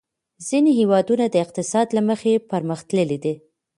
ځینې هېوادونه د اقتصاد له مخې پرمختللي دي.